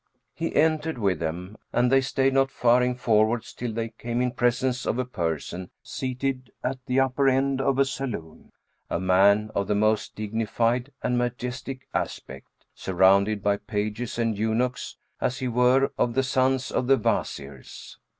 He entered with them, and they stayed not faring forwards till they came in presence of a person seated at the upper end of a saloon, a man of the most dignified and majestic aspect, surrounded by pages and eunuchs, as he were of the sons of the Wazirs.